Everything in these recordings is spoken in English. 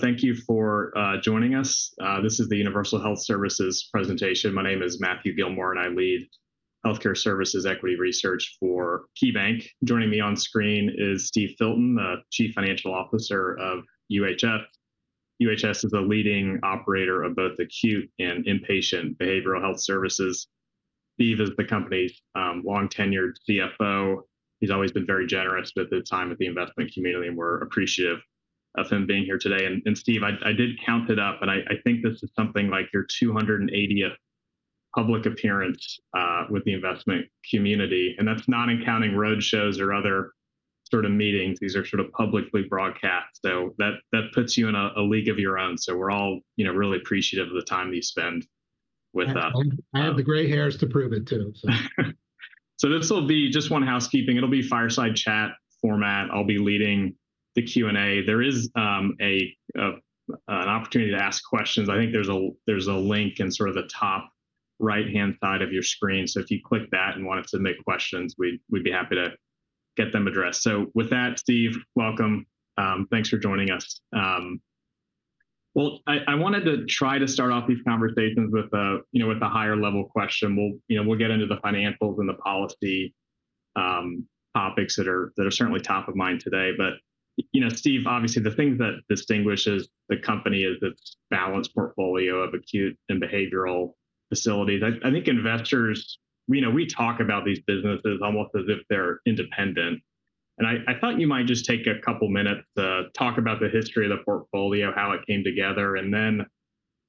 Hello, thank you for joining us. This is the Universal Health Services presentation. My name is Matthew Gillmor, and I lead healthcare services equity research for KeyBanc. Joining me on screen is Steve Filton, the Chief Financial Officer of UHS. UHS is a leading operator of both acute and inpatient behavioral health services. Steve is the company's long-tenured CFO. He's always been very generous with his time with the investment community, and we're appreciative of him being here today. Steve, I did count it up, and I think this is something like your 280th public appearance with the investment community. That's not in counting road shows or other sort of meetings. These are sort of publicly broadcast. That puts you in a league of your own. We're all really appreciative of the time you spend with us. I have the gray hairs to prove it too. This will be just one housekeeping. It'll be fireside chat format. I'll be leading the Q&A. There is an opportunity to ask questions. I think there's a link in sort of the top right-hand side of your screen. If you click that and wanted to submit questions, we'd be happy to get them addressed. With that, Steve, welcome. Thanks for joining us. I wanted to try to start off these conversations with a higher-level question. We'll get into the financials and the policy topics that are certainly top of mind today. Steve, obviously, the thing that distinguishes the company is its balanced portfolio of acute and behavioral facilities. I think investors, we talk about these businesses almost as if they're independent. I thought you might just take a couple of minutes to talk about the history of the portfolio, how it came together.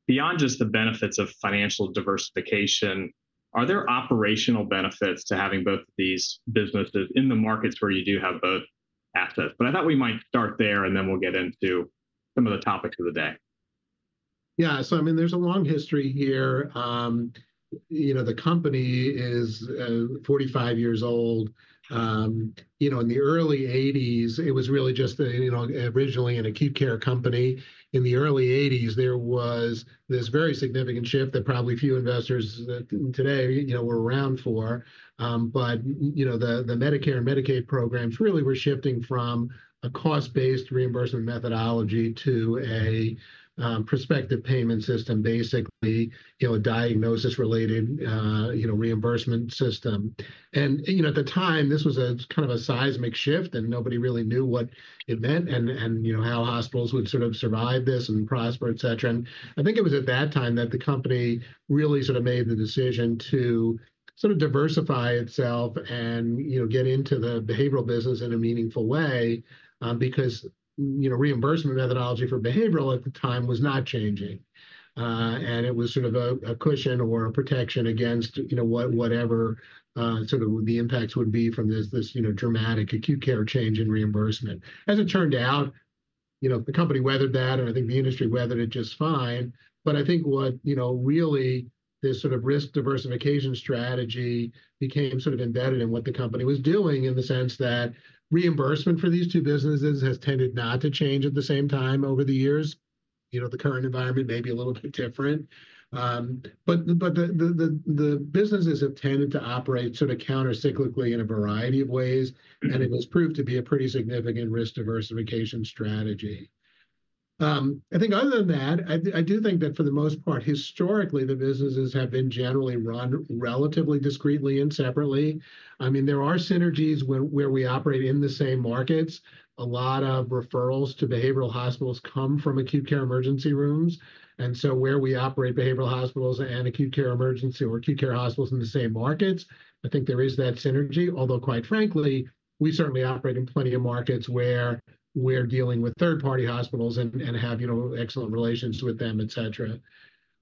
Beyond just the benefits of financial diversification, are there operational benefits to having both of these businesses in the markets where you do have both assets? I thought we might start there, and then we'll get into some of the topics of the day. Yeah. I mean, there's a long history here. The company is 45 years old. In the early 1980s, it was really just originally an acute care company. In the early 1980s, there was this very significant shift that probably few investors today were around for. The Medicare and Medicaid programs really were shifting from a cost-based reimbursement methodology to a prospective payment system, basically a diagnosis-related reimbursement system. At the time, this was kind of a seismic shift, and nobody really knew what it meant and how hospitals would sort of survive this and prosper, et cetera. I think it was at that time that the company really sort of made the decision to sort of diversify itself and get into the behavioral business in a meaningful way because reimbursement methodology for behavioral at the time was not changing. It was sort of a cushion or a protection against whatever sort of the impacts would be from this dramatic acute care change in reimbursement. As it turned out, the company weathered that, and I think the industry weathered it just fine. I think what really this sort of risk diversification strategy became sort of embedded in what the company was doing in the sense that reimbursement for these two businesses has tended not to change at the same time over the years. The current environment may be a little bit different. The businesses have tended to operate sort of countercyclically in a variety of ways, and it was proved to be a pretty significant risk diversification strategy. I think other than that, I do think that for the most part, historically, the businesses have been generally run relatively discreetly and separately. I mean, there are synergies where we operate in the same markets. A lot of referrals to behavioral hospitals come from acute care emergency rooms. Where we operate behavioral hospitals and acute care hospitals in the same markets, I think there is that synergy. Although, quite frankly, we certainly operate in plenty of markets where we're dealing with third-party hospitals and have excellent relations with them, et cetera.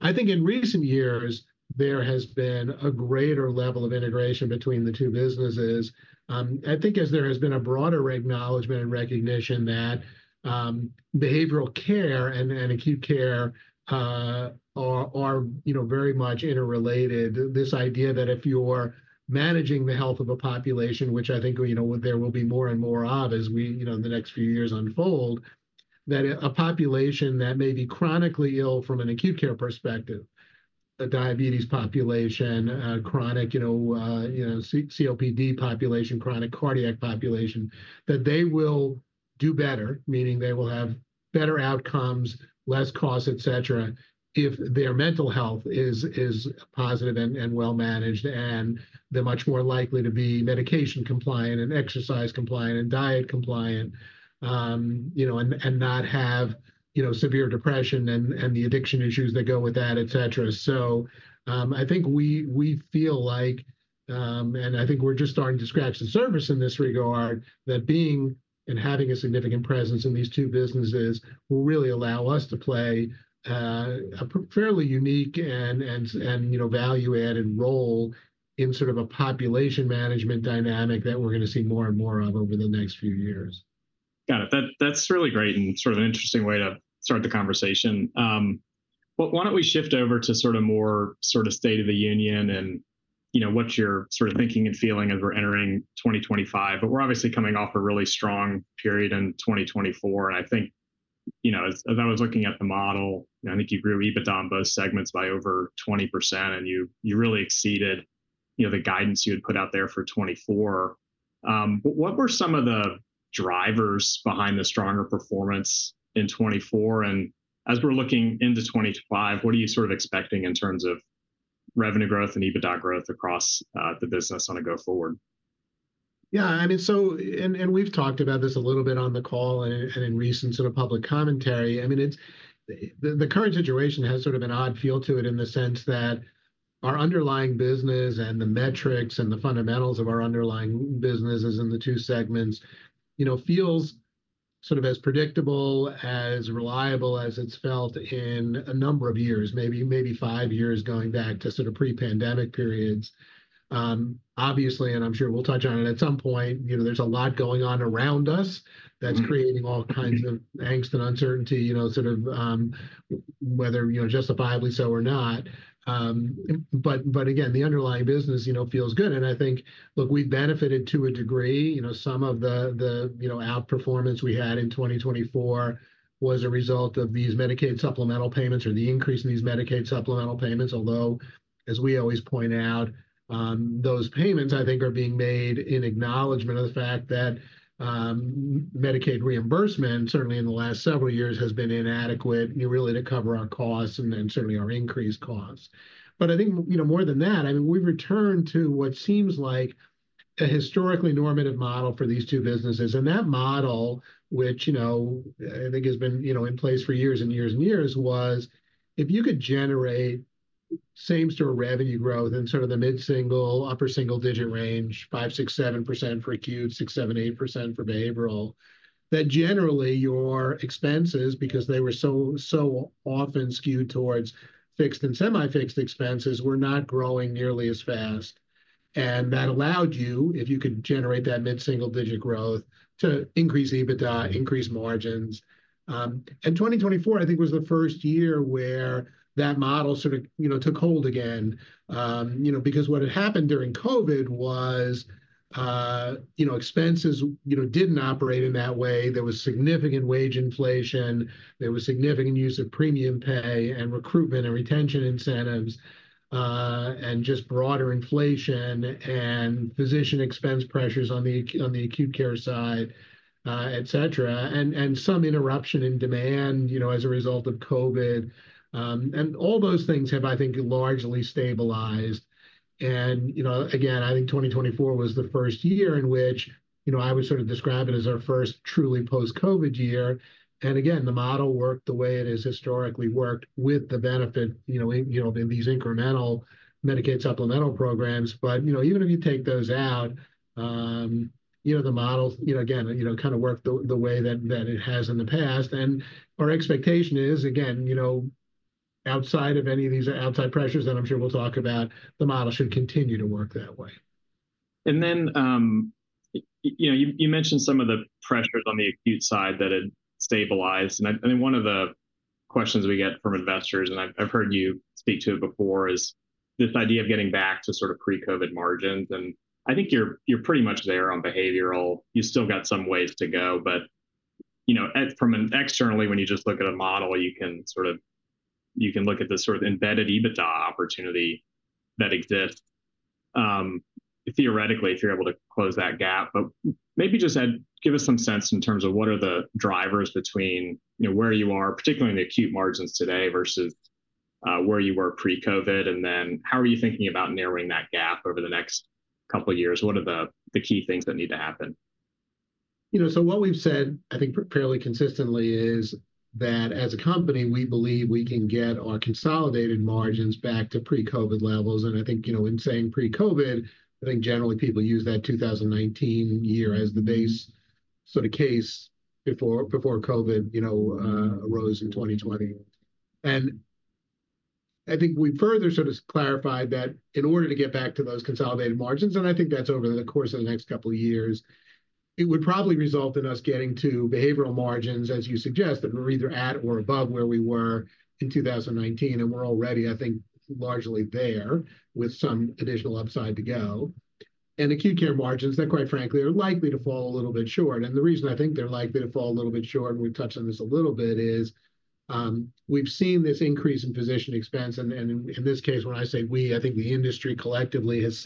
I think in recent years, there has been a greater level of integration between the two businesses. I think as there has been a broader acknowledgment and recognition that behavioral care and acute care are very much interrelated, this idea that if you're managing the health of a population, which I think there will be more and more of as we in the next few years unfold, that a population that may be chronically ill from an acute care perspective, a diabetes population, chronic COPD population, chronic cardiac population, that they will do better, meaning they will have better outcomes, less costs, et cetera, if their mental health is positive and well-managed and they're much more likely to be medication compliant and exercise compliant and diet compliant and not have severe depression and the addiction issues that go with that, et cetera. I think we feel like, and I think we're just starting to scratch the surface in this regard, that being and having a significant presence in these two businesses will really allow us to play a fairly unique and value-added role in sort of a population management dynamic that we're going to see more and more of over the next few years. Got it. That's really great and sort of an interesting way to start the conversation. Why don't we shift over to sort of more sort of state of the union and what's your sort of thinking and feeling as we're entering 2025? We're obviously coming off a really strong period in 2024. I think as I was looking at the model, I think you grew EBITDA on both segments by over 20%, and you really exceeded the guidance you had put out there for 2024. What were some of the drivers behind the stronger performance in 2024? As we're looking into 2025, what are you sort of expecting in terms of revenue growth and EBITDA growth across the business on a go-forward? Yeah. I mean, so and we've talked about this a little bit on the call and in recent sort of public commentary. I mean, the current situation has sort of an odd feel to it in the sense that our underlying business and the metrics and the fundamentals of our underlying businesses in the two segments feels sort of as predictable, as reliable as it's felt in a number of years, maybe five years going back to sort of pre-pandemic periods. Obviously, and I'm sure we'll touch on it at some point, there's a lot going on around us that's creating all kinds of angst and uncertainty, sort of whether justifiably so or not. Again, the underlying business feels good. I think, look, we've benefited to a degree. Some of the outperformance we had in 2024 was a result of these Medicaid supplemental payments or the increase in these Medicaid supplemental payments. Although, as we always point out, those payments, I think, are being made in acknowledgment of the fact that Medicaid reimbursement, certainly in the last several years, has been inadequate really to cover our costs and certainly our increased costs. I think more than that, I mean, we've returned to what seems like a historically normative model for these two businesses. That model, which I think has been in place for years and years and years, was if you could generate same-store revenue growth in sort of the mid-single, upper single-digit range, 5%-6%-7% for acute, 6%-7%-8% for behavioral, that generally your expenses, because they were so often skewed towards fixed and semi-fixed expenses, were not growing nearly as fast. That allowed you, if you could generate that mid-single-digit growth, to increase EBITDA, increase margins. In 2024, I think, that was the first year where that model sort of took hold again because what had happened during COVID was expenses did not operate in that way. There was significant wage inflation. There was significant use of premium pay and recruitment and retention incentives and just broader inflation and physician expense pressures on the acute care side, et cetera, and some interruption in demand as a result of COVID. All those things have, I think, largely stabilized. I think 2024 was the first year in which I would sort of describe it as our first truly post-COVID year. The model worked the way it has historically worked with the benefit of these incremental Medicaid supplemental programs. Even if you take those out, the model, again, kind of worked the way that it has in the past. Our expectation is, again, outside of any of these outside pressures that I'm sure we'll talk about, the model should continue to work that way. You mentioned some of the pressures on the acute side that had stabilized. I think one of the questions we get from investors, and I've heard you speak to it before, is this idea of getting back to sort of pre-COVID margins. I think you're pretty much there on behavioral. You still got some ways to go. From externally, when you just look at a model, you can sort of look at the sort of embedded EBITDA opportunity that exists, theoretically, if you're able to close that gap. Maybe just give us some sense in terms of what are the drivers between where you are, particularly in the acute margins today versus where you were pre-COVID. How are you thinking about narrowing that gap over the next couple of years? What are the key things that need to happen? What we've said, I think, fairly consistently is that as a company, we believe we can get our consolidated margins back to pre-COVID levels. I think in saying pre-COVID, I think generally people use that 2019 year as the base sort of case before COVID arose in 2020. I think we further sort of clarified that in order to get back to those consolidated margins, and I think that's over the course of the next couple of years, it would probably result in us getting to behavioral margins, as you suggest, that were either at or above where we were in 2019. We're already, I think, largely there with some additional upside to go. Acute care margins, quite frankly, are likely to fall a little bit short. The reason I think they're likely to fall a little bit short, and we've touched on this a little bit, is we've seen this increase in physician expense. In this case, when I say we, I think the industry collectively has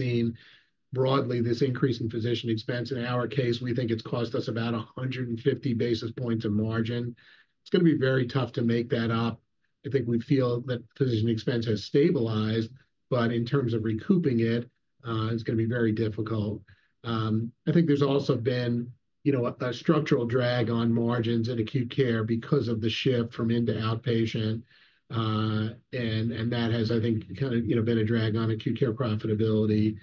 seen broadly this increase in physician expense. In our case, we think it's cost us about 150 basis points of margin. It's going to be very tough to make that up. I think we feel that physician expense has stabilized. In terms of recouping it, it's going to be very difficult. I think there's also been a structural drag on margins in Acute care because of the shift from in to outpatient. That has, I think, kind of been a drag on acute care profitability.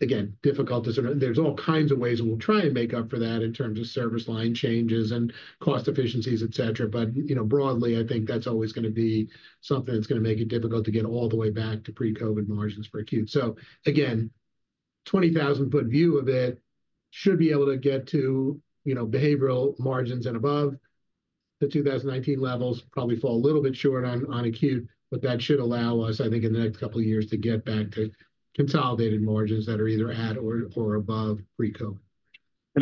Again, difficult to sort of there's all kinds of ways. We will try and make up for that in terms of service line changes and cost efficiencies, et cetera. Broadly, I think that's always going to be something that's going to make it difficult to get all the way back to pre-COVID margins for Acute. Again, 20,000-per view of it should be able to get to behavioral margins and above. The 2019 levels probably fall a little bit short on acute, but that should allow us, I think, in the next couple of years to get back to consolidated margins that are either at or above pre-COVID.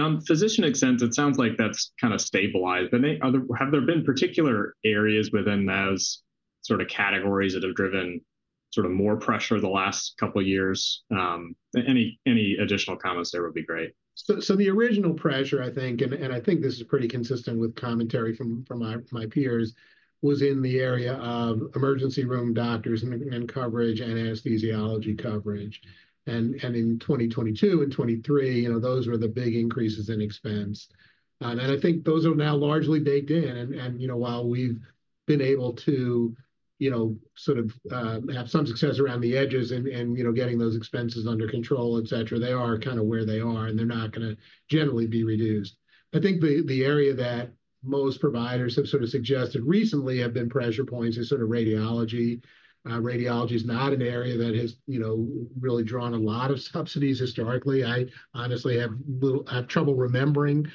On physician expense, it sounds like that's kind of stabilized. Have there been particular areas within those sort of categories that have driven sort of more pressure the last couple of years? Any additional comments there would be great. The original pressure, I think, and I think this is pretty consistent with commentary from my peers, was in the area of emergency room doctors and coverage and anesthesiology coverage. In 2022 and 2023, those were the big increases in expense. I think those are now largely baked in. While we've been able to sort of have some success around the edges and getting those expenses under control, et cetera, they are kind of where they are, and they're not going to generally be reduced. I think the area that most providers have sort of suggested recently have been pressure points is sort of radiology. Radiology is not an area that has really drawn a lot of subsidies historically. I honestly have trouble remembering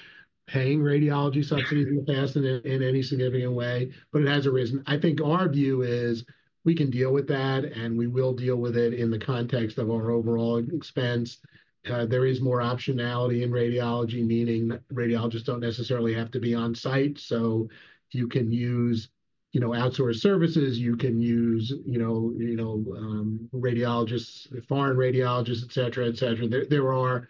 paying radiology subsidies in the past in any significant way. It has arisen. I think our view is we can deal with that, and we will deal with it in the context of our overall expense. There is more optionality in radiology, meaning radiologists do not necessarily have to be on site. You can use outsourced services. You can use radiologists, foreign radiologists, et cetera, et cetera. There are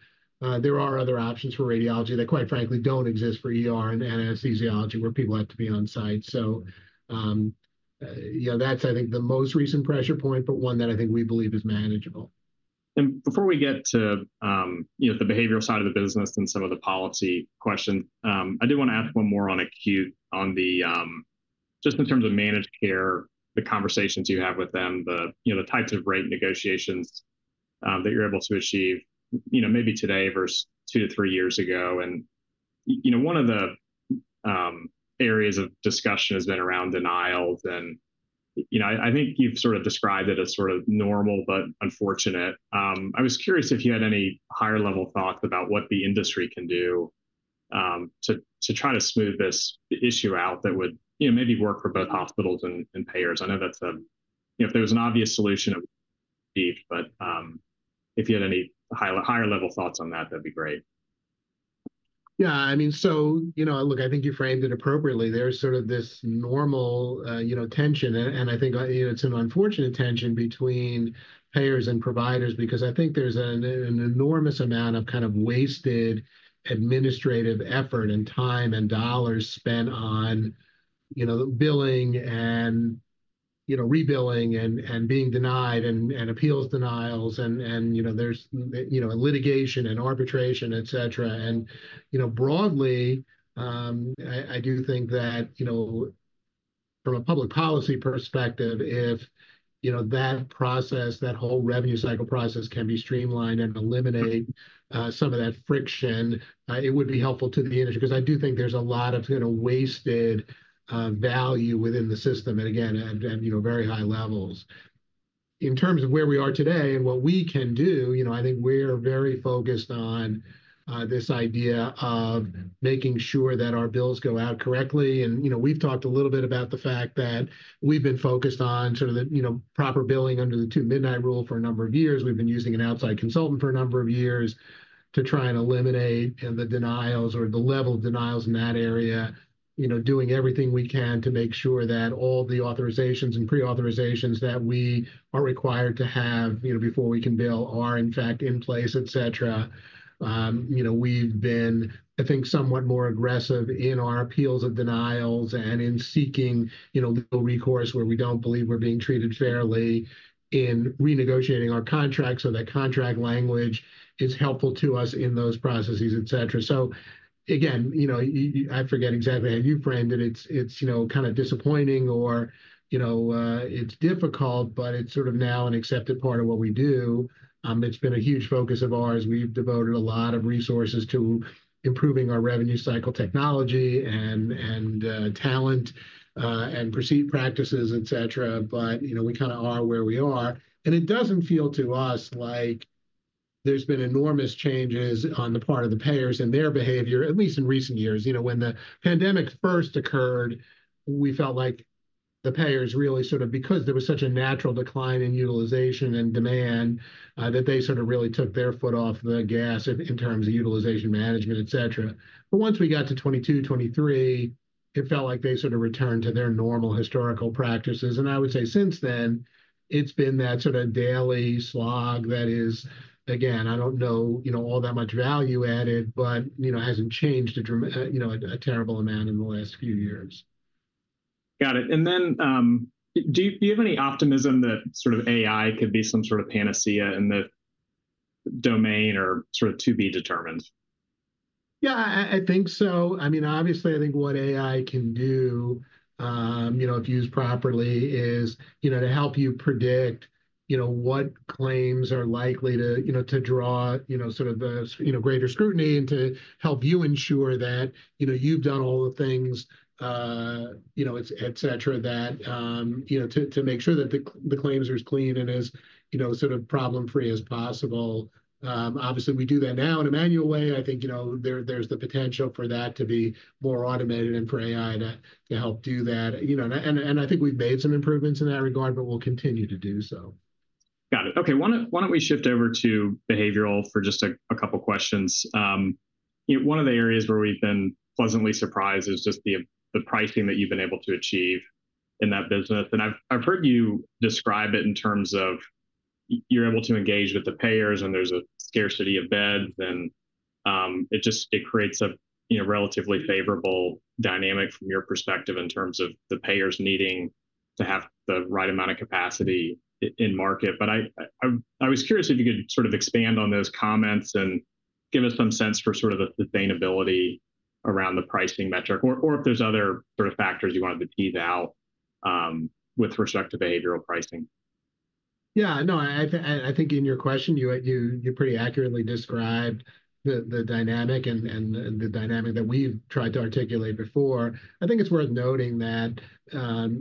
other options for radiology that, quite frankly, do not exist for anesthesiology where people have to be on site. That is, I think, the most recent pressure point, but one that I think we believe is manageable. Before we get to the behavioral side of the business and some of the policy questions, I do want to ask one more on Acute, just in terms of managed care, the conversations you have with them, the types of rate negotiations that you're able to achieve maybe today versus two to three years ago. One of the areas of discussion has been around denials. I think you've sort of described it as sort of normal, but unfortunate. I was curious if you had any higher-level thoughts about what the industry can do to try to smooth this issue out that would maybe work for both hospitals and payers. I know that if there was an obvious solution, it would be deep. If you had any higher-level thoughts on that, that'd be great. Yeah. I mean, look, I think you framed it appropriately. There's sort of this normal tension. I think it's an unfortunate tension between payers and providers because I think there's an enormous amount of kind of wasted administrative effort and time and dollars spent on billing and rebilling and being denied and appeals denials and there's litigation and arbitration, et cetera. Broadly, I do think that from a public policy perspective, if that process, that whole revenue cycle process can be streamlined and eliminate some of that friction, it would be helpful to the industry because I do think there's a lot of wasted value within the system at, again, very high levels. In terms of where we are today and what we can do, I think we're very focused on this idea of making sure that our bills go out correctly. We have talked a little bit about the fact that we have been focused on sort of the proper billing under the Two-Midnight Rule for a number of years. We have been using an outside consultant for a number of years to try and eliminate the denials or the level of denials in that area, doing everything we can to make sure that all the authorizations and pre-authorizations that we are required to have before we can bill are, in fact, in place, et cetera. We have been, I think, somewhat more aggressive in our appeals of denials and in seeking legal recourse where we do not believe we are being treated fairly in renegotiating our contracts so that contract language is helpful to us in those processes, et cetera. Again, I forget exactly how you framed it. It's kind of disappointing or it's difficult, but it's sort of now an accepted part of what we do. It's been a huge focus of ours. We've devoted a lot of resources to improving our revenue cycle technology and talent and perceived practices, et cetera. But we kind of are where we are. It doesn't feel to us like there's been enormous changes on the part of the payers and their behavior, at least in recent years. When the pandemic first occurred, we felt like the payers really sort of, because there was such a natural decline in utilization and demand, that they sort of really took their foot off the gas in terms of utilization management, et cetera. Once we got to 2022, 2023, it felt like they sort of returned to their normal historical practices. I would say since then, it's been that sort of daily slog that is, again, I don't know all that much value added, but hasn't changed a terrible amount in the last few years. Got it. Do you have any optimism that sort of AI could be some sort of panacea in the domain or sort of to be determined? Yeah, I think so. I mean, obviously, I think what AI can do, if used properly, is to help you predict what claims are likely to draw sort of greater scrutiny and to help you ensure that you've done all the things, et cetera, to make sure that the claims are as clean and as sort of problem-free as possible. Obviously, we do that now in a manual way. I think there's the potential for that to be more automated and for AI to help do that. I think we've made some improvements in that regard, but we'll continue to do so. Got it. Okay. Why don't we shift over to behavioral for just a couple of questions? One of the areas where we've been pleasantly surprised is just the pricing that you've been able to achieve in that business. I've heard you describe it in terms of you're able to engage with the payers, and there's a scarcity of beds. It creates a relatively favorable dynamic from your perspective in terms of the payers needing to have the right amount of capacity in market. I was curious if you could sort of expand on those comments and give us some sense for sort of the sustainability around the pricing metric or if there's other sort of factors you wanted to tease out with respect to behavioral pricing. Yeah. No, I think in your question, you pretty accurately described the dynamic and the dynamic that we've tried to articulate before. I think it's worth noting that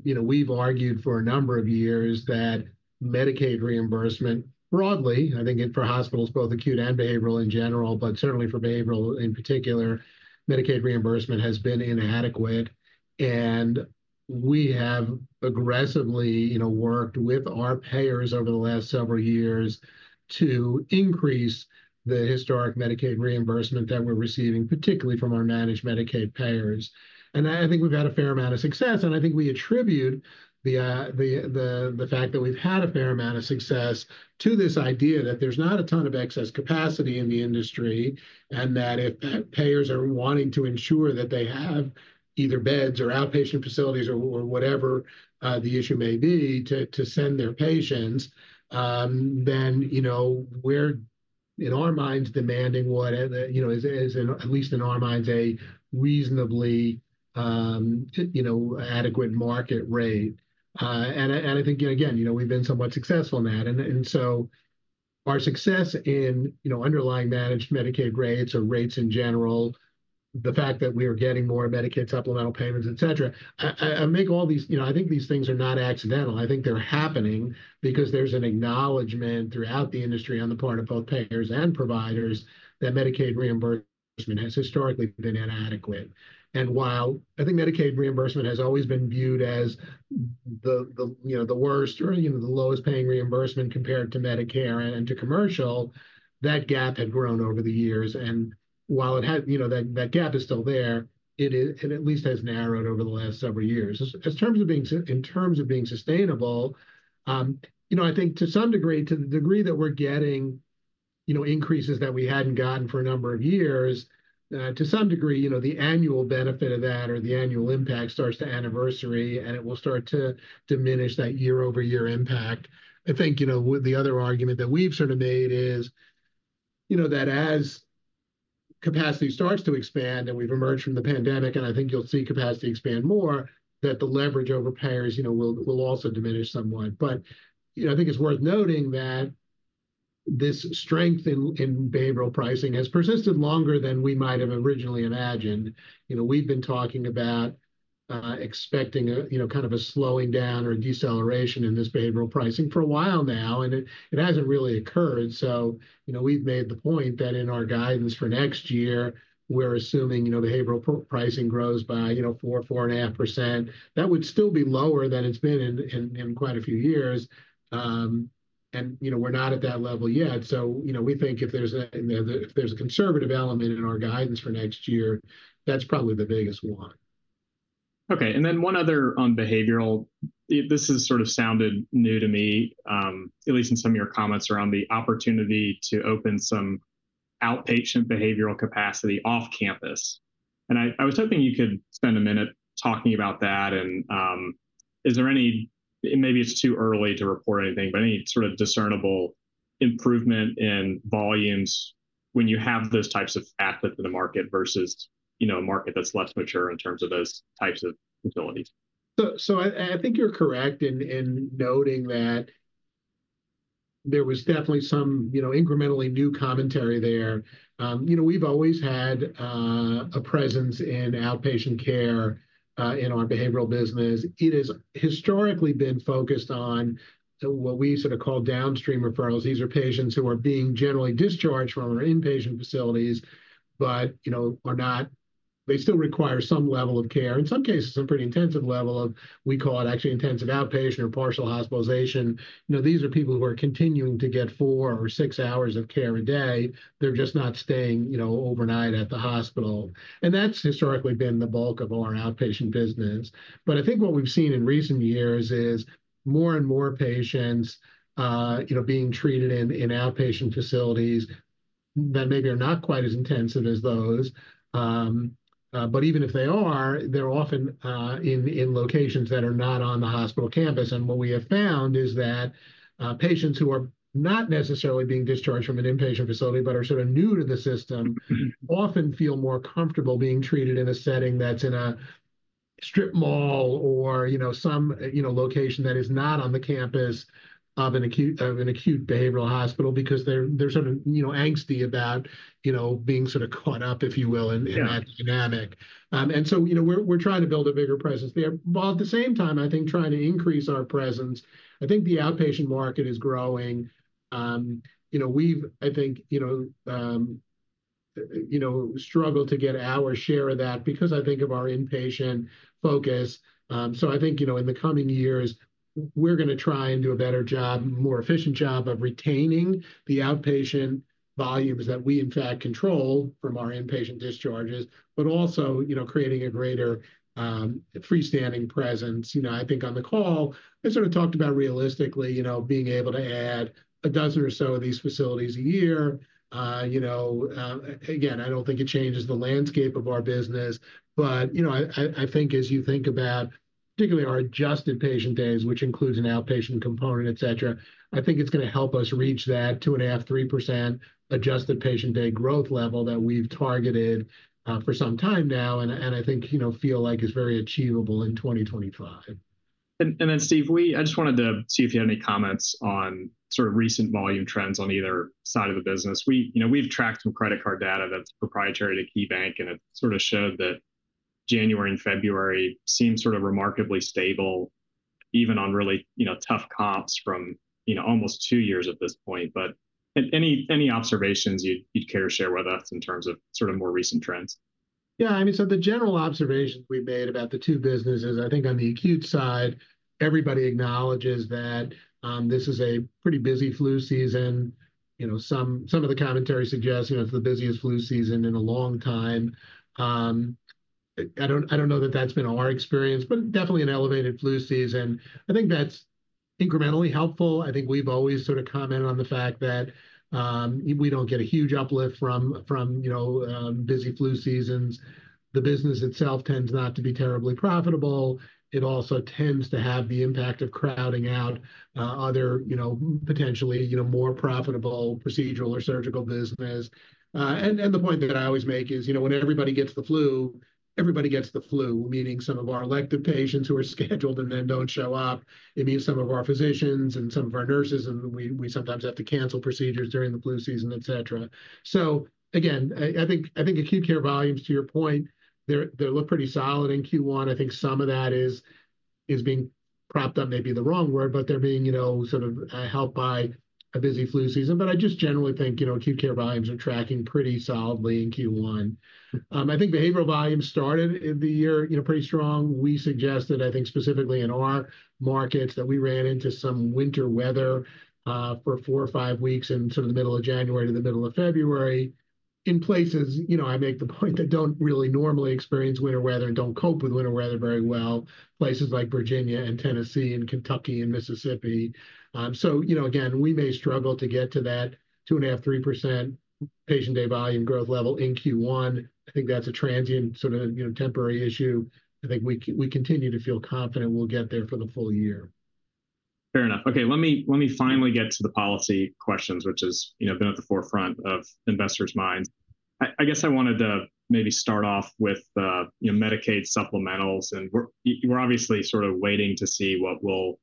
we've argued for a number of years that Medicaid reimbursement, broadly, I think for hospitals, both acute and behavioral in general, but certainly for behavioral in particular, Medicaid reimbursement has been inadequate. We have aggressively worked with our payers over the last several years to increase the historic Medicaid reimbursement that we're receiving, particularly from our managed Medicaid payers. I think we've had a fair amount of success. I think we attribute the fact that we've had a fair amount of success to this idea that there's not a ton of excess capacity in the industry and that if payers are wanting to ensure that they have either beds or outpatient facilities or whatever the issue may be to send their patients, then we're, in our minds, demanding what is, at least in our minds, a reasonably adequate market rate. I think, again, we've been somewhat successful in that. Our success in underlying managed Medicaid rates or rates in general, the fact that we are getting more Medicaid supplemental payments, et cetera, I think these things are not accidental. I think they're happening because there's an acknowledgment throughout the industry on the part of both payers and providers that Medicaid reimbursement has historically been inadequate. While I think Medicaid reimbursement has always been viewed as the worst or the lowest paying reimbursement compared to Medicare and to commercial, that gap had grown over the years. While that gap is still there, it at least has narrowed over the last several years. In terms of being sustainable, I think to some degree, to the degree that we're getting increases that we hadn't gotten for a number of years, to some degree, the annual benefit of that or the annual impact starts to anniversary, and it will start to diminish that year-over-year impact. I think the other argument that we've sort of made is that as capacity starts to expand and we've emerged from the pandemic, and I think you'll see capacity expand more, that the leverage over payers will also diminish somewhat. I think it's worth noting that this strength in behavioral pricing has persisted longer than we might have originally imagined. We've been talking about expecting kind of a slowing down or a deceleration in this behavioral pricing for a while now, and it hasn't really occurred. We've made the point that in our guidance for next year, we're assuming behavioral pricing grows by 4%-4.5%. That would still be lower than it's been in quite a few years. We're not at that level yet. We think if there's a conservative element in our guidance for next year, that's probably the biggest one. Okay. One other on behavioral. This has sort of sounded new to me, at least in some of your comments around the opportunity to open some outpatient behavioral capacity off campus. I was hoping you could spend a minute talking about that. Is there any, maybe it's too early to report anything, but any sort of discernible improvement in volumes when you have those types of assets in the market versus a market that's less mature in terms of those types of utilities? I think you're correct in noting that there was definitely some incrementally new commentary there. We've always had a presence in outpatient care in our behavioral business. It has historically been focused on what we sort of call downstream referrals. These are patients who are being generally discharged from our inpatient facilities, but they still require some level of care. In some cases, some pretty intensive level of, we call it actually intensive outpatient or partial hospitalization. These are people who are continuing to get four or six hours of care a day. They're just not staying overnight at the hospital. That's historically been the bulk of our outpatient business. I think what we've seen in recent years is more and more patients being treated in outpatient facilities that maybe are not quite as intensive as those. Even if they are, they're often in locations that are not on the hospital campus. What we have found is that patients who are not necessarily being discharged from an inpatient facility, but are sort of new to the system, often feel more comfortable being treated in a setting that's in a strip mall or some location that is not on the campus of an acute behavioral hospital because they're sort of angsty about being sort of caught up, if you will, in that dynamic. We are trying to build a bigger presence there. At the same time, I think trying to increase our presence. I think the outpatient market is growing. We've, I think, struggled to get our share of that because I think of our inpatient focus. I think in the coming years, we're going to try and do a better job, more efficient job of retaining the outpatient volumes that we, in fact, control from our inpatient discharges, but also creating a greater freestanding presence. I think on the call, I sort of talked about realistically being able to add a dozen or so of these facilities a year. Again, I don't think it changes the landscape of our business. I think as you think about particularly our adjusted patient days, which includes an outpatient component, et cetera, I think it's going to help us reach that 2.5%-3% adjusted patient day growth level that we've targeted for some time now. I think feel like it's very achievable in 2025. Steve, I just wanted to see if you had any comments on sort of recent volume trends on either side of the business. We've tracked some credit card data that's proprietary to KeyBanc, and it sort of showed that January and February seem sort of remarkably stable, even on really tough comps from almost two years at this point. Any observations you'd care to share with us in terms of sort of more recent trends? Yeah. I mean, the general observations we've made about the two businesses, I think on the acute side, everybody acknowledges that this is a pretty busy flu season. Some of the commentary suggests it's the busiest flu season in a long time. I don't know that that's been our experience, but definitely an elevated flu season. I think that's incrementally helpful. I think we've always sort of commented on the fact that we don't get a huge uplift from busy flu seasons. The business itself tends not to be terribly profitable. It also tends to have the impact of crowding out other potentially more profitable procedural or surgical business. The point that I always make is when everybody gets the flu, everybody gets the flu, meaning some of our elective patients who are scheduled and then do not show up, it means some of our physicians and some of our nurses, and we sometimes have to cancel procedures during the flu season, et cetera. Again, I think acute care volumes, to your point, they look pretty solid in Q1. I think some of that is being propped up, maybe the wrong word, but they are being sort of helped by a busy flu season. I just generally think acute care volumes are tracking pretty solidly in Q1. I think behavioral volumes started the year pretty strong. We suggested, I think specifically in our markets, that we ran into some winter weather for four or five weeks in sort of the middle of January to the middle of February in places I make the point that do not really normally experience winter weather and do not cope with winter weather very well, places like Virginia and Tennessee and Kentucky and Mississippi. We may struggle to get to that 2.5%-3% patient day volume growth level in Q1. I think that is a transient sort of temporary issue. I think we continue to feel confident we will get there for the full year. Fair enough. Okay. Let me finally get to the policy questions, which have been at the forefront of investors' minds. I guess I wanted to maybe start off with Medicaid supplementals. And we're obviously sort of waiting to see what will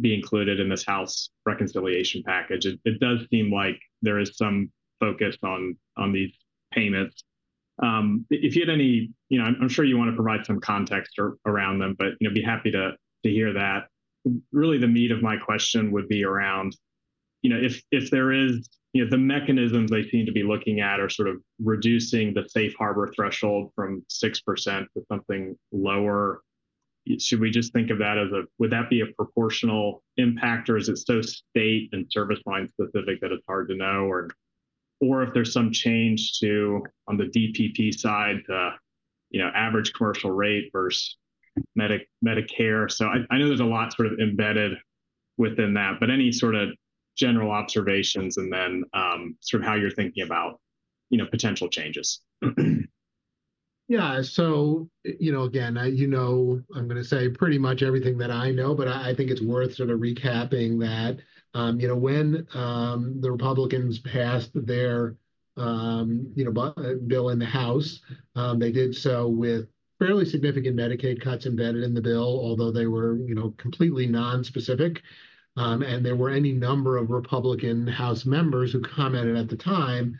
be included in this House reconciliation package. It does seem like there is some focus on these payments. If you had any I'm sure you want to provide some context around them, but be happy to hear that. Really, the meat of my question would be around if there is the mechanisms they seem to be looking at are sort of reducing the Safe Harbor threshold from 6% to something lower, should we just think of that as a would that be a proportional impact, or is it so state and service line specific that it's hard to know, or if there's some change to on the DPP side, the average commercial rate versus Medicare? I know there's a lot sort of embedded within that, but any sort of general observations and then sort of how you're thinking about potential changes? Yeah. Again, I'm going to say pretty much everything that I know, but I think it's worth sort of recapping that when the Republicans passed their bill in the House, they did so with fairly significant Medicaid cuts embedded in the bill, although they were completely nonspecific. There were any number of Republican House members who commented at the time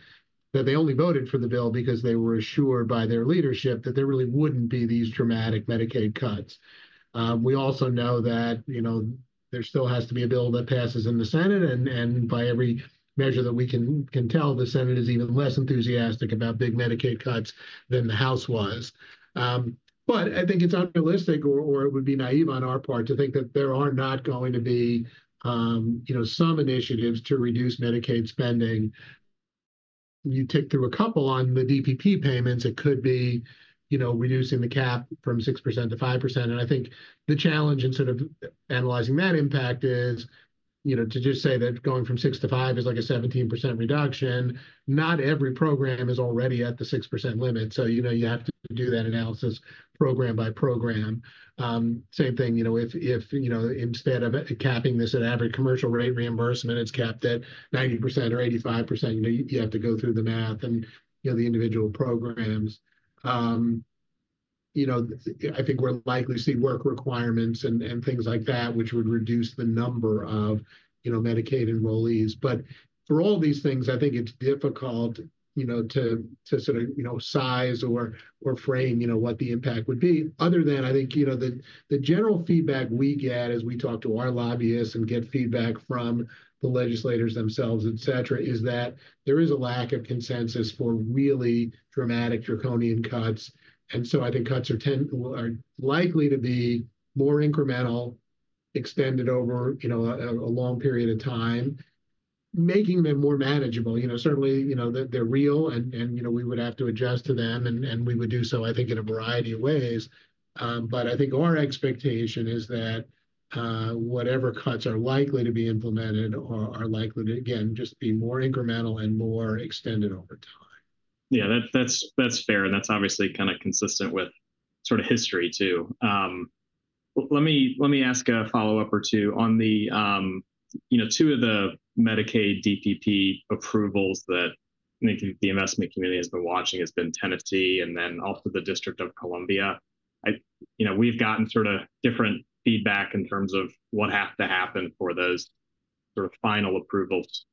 that they only voted for the bill because they were assured by their leadership that there really wouldn't be these dramatic Medicaid cuts. We also know that there still has to be a bill that passes in the Senate. By every measure that we can tell, the Senate is even less enthusiastic about big Medicaid cuts than the House was. I think it's unrealistic or it would be naive on our part to think that there are not going to be some initiatives to reduce Medicaid spending. You tick through a couple on the DPP payments. It could be reducing the cap from 6%-5%. I think the challenge in sort of analyzing that impact is to just say that going from 6%-5% is like a 17% reduction. Not every program is already at the 6% limit. You have to do that analysis program by program. Same thing if instead of capping this at average commercial rate reimbursement, it's capped at 90% or 85%, you have to go through the math and the individual programs. I think we'll likely see work requirements and things like that, which would reduce the number of Medicaid enrollees. For all these things, I think it's difficult to sort of size or frame what the impact would be. Other than, I think the general feedback we get as we talk to our lobbyists and get feedback from the legislators themselves, et cetera, is that there is a lack of consensus for really dramatic draconian cuts. I think cuts are likely to be more incremental, extended over a long period of time, making them more manageable. Certainly, they're real, and we would have to adjust to them, and we would do so, I think, in a variety of ways. I think our expectation is that whatever cuts are likely to be implemented are likely to, again, just be more incremental and more extended over time. Yeah, that's fair. That's obviously kind of consistent with sort of history too. Let me ask a follow-up or two on the two of the Medicaid DPP approvals that I think the investment community has been watching has been Tennessee and then also the District of Columbia. We've gotten sort of different feedback in terms of what has to happen for those sort of final approvals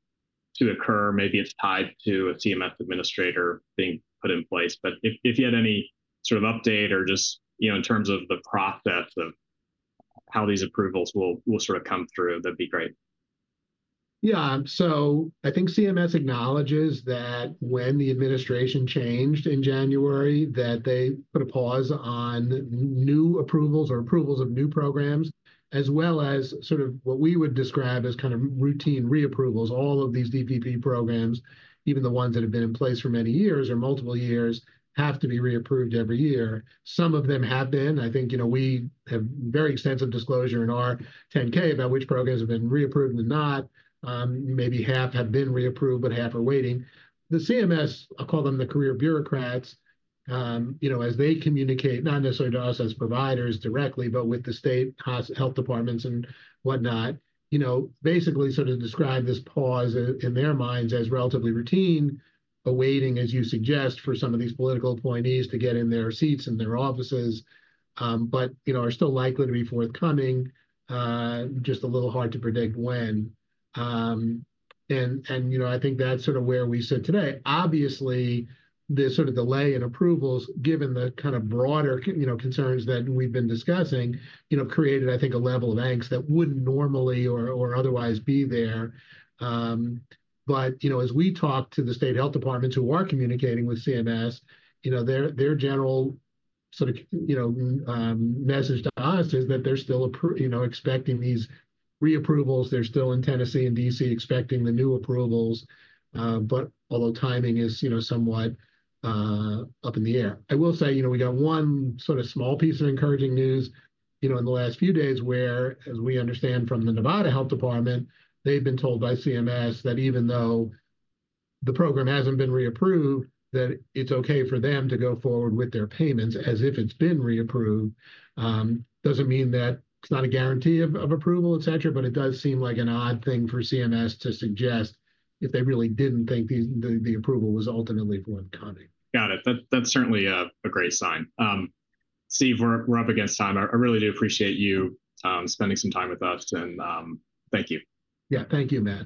to occur. Maybe it's tied to a CMS administrator being put in place. If you had any sort of update or just in terms of the process of how these approvals will sort of come through, that'd be great. Yeah. I think CMS acknowledges that when the administration changed in January, they put a pause on new approvals or approvals of new programs, as well as what we would describe as kind of routine reapprovals. All of these DPP programs, even the ones that have been in place for many years or multiple years, have to be reapproved every year. Some of them have been. I think we have very extensive disclosure in our 10-K about which programs have been reapproved and not. Maybe half have been reapproved, but half are waiting. The CMS, I'll call them the career bureaucrats, as they communicate, not necessarily to us as providers directly, but with the state health departments and whatnot, basically sort of describe this pause in their minds as relatively routine, awaiting, as you suggest, for some of these political appointees to get in their seats in their offices, but are still likely to be forthcoming. It is just a little hard to predict when. I think that's sort of where we sit today. Obviously, the sort of delay in approvals, given the kind of broader concerns that we've been discussing, created, I think, a level of angst that wouldn't normally or otherwise be there. As we talk to the state health departments who are communicating with CMS, their general sort of message to us is that they're still expecting these reapprovals. They're still in Tennessee and DC expecting the new approvals, although timing is somewhat up in the air. I will say we got one sort of small piece of encouraging news in the last few days where, as we understand from the Nevada Health Department, they've been told by CMS that even though the program hasn't been reapproved, that it's okay for them to go forward with their payments as if it's been reapproved. Doesn't mean that it's not a guarantee of approval, et cetera, but it does seem like an odd thing for CMS to suggest if they really didn't think the approval was ultimately forthcoming. Got it. That's certainly a great sign. Steve, we're up against time. I really do appreciate you spending some time with us, and thank you. Yeah, thank you, Matt.